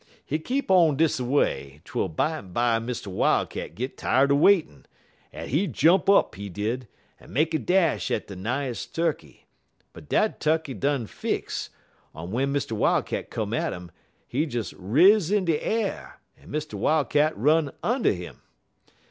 "Hit keep on dis a way, twel bimeby Mr. Wildcat git tired er waitin', en he jump up, he did, en make a dash at de nighest turkey; but dat turkey done fix, on w'en Mr. Wildcat come at 'im, he des riz in de a'r, en Mr. Wildcat run und' 'im.